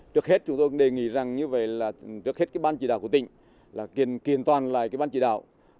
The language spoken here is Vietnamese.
trước hết chúng tôi đề nghị rằng như vậy là trước hết cái ban chỉ đạo của tỉnh là kiên toàn lại cái ban chỉ đạo